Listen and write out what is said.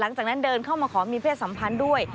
หลังจากนั้นเดินเข้ามาขอมีเพศสัมพันธ์ด้วย